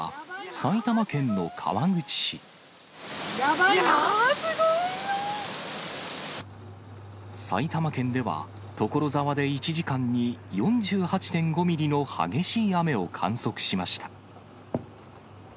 埼玉県では、所沢で１時間に４８．５ミリの激しい雨を観測しました。